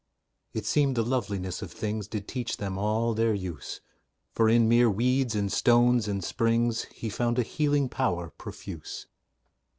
It seemed the loveliness of things Did teach him all their use, For, in mere weeds, and stones, and springs, He found a healing power profuse.